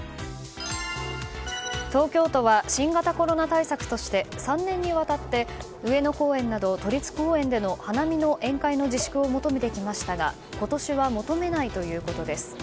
東京都は新型コロナ対策として３年にわたって上野公園など、都立公園での花見の宴会の自粛を求めてきましたが今年は求めないということです。